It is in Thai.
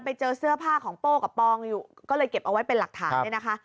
ไปเจอเสื้อผ้าของโป้กับปองอยู่ก็เลยเก็บเอาไว้เป็นหลักฐานเนี่ยนะคะ